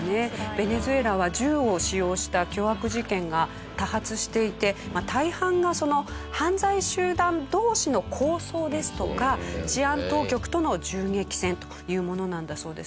ベネズエラは銃を使用した凶悪事件が多発していて大半が犯罪集団同士の抗争ですとか治安当局との銃撃戦というものなんだそうですね。